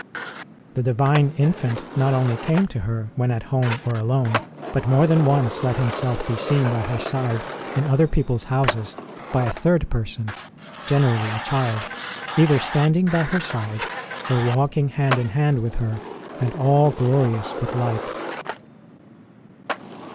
The Divine Infant not only came to her when at home or alone, but more than once let Himself be seen by her side in other people s houses by a third person generally a child either standing by her side or walking hand in hand with her, and all glorious with light.